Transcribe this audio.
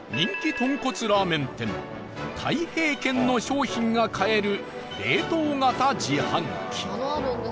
とんこつラーメン店大平軒の商品が買える冷凍型自販機